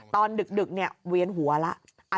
ดึกเนี่ยเวียนหัวแล้ว